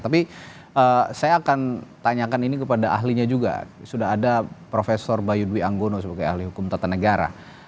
tapi saya akan tanyakan ini kepada ahlinya juga sudah ada prof bayu dwi anggono sebagai ahli hukum tata negara